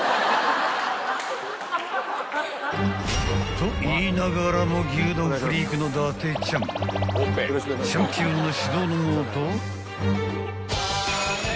［と言いながらも牛丼フリークの伊達ちゃんチャンピオンの指導の下］